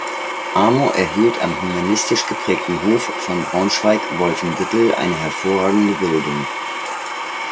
Amo erhielt am humanistisch geprägten Hof von Braunschweig-Wolfenbüttel eine hervorragende Bildung.